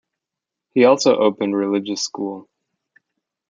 He also opened religious school.